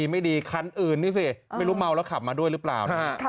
ไม่ดีคันอื่นนี่สิไม่รู้เมาแล้วขับมาด้วยหรือเปล่า